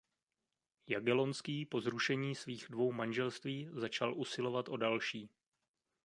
Jagellonský po zrušení svých dvou manželství začal usilovat o další.